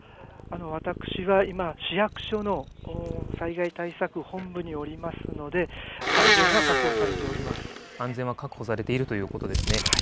私は今、市役所の災害対策本部におりますので、安全は確保されているということですね。